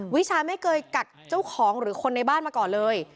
วิชาไม่เคยกัดเจ้าของหรือคนในบ้านมาก่อนเลย